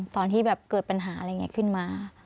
ตอนที่แบบเกิดปัญหาอะไรอย่างนี้ขึ้นมา